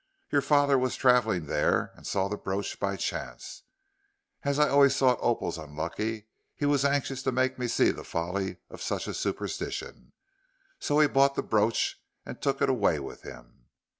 Your father was travelling there and saw the brooch by chance. As I always thought opals unlucky he was anxious to make me see the folly of such a superstition, so he bought the brooch and took it away with him.